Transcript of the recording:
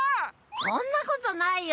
そんなことないよ。